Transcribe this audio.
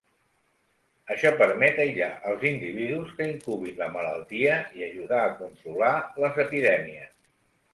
Això permet aïllar els individus que incubin la malaltia i ajudar a controlar les epidèmies.